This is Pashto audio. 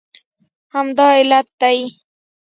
همدا علت دی